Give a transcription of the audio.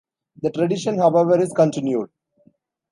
The tradition however is continued.